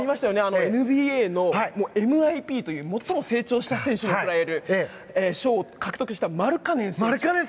ＮＢＡのＭＩＰという最も成長した選手に贈られる賞を獲得したマルカネン選手。